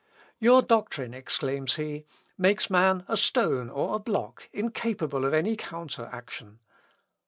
"Your doctrine," exclaims he, "makes man a stone or a block, incapable of any counter action...."